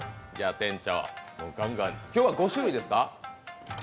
店長、今日は５種類ですか？